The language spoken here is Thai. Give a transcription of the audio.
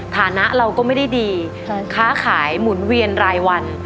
ฐานะเราก็ไม่ได้ดีค้าขายหมุนเวียนรายวัน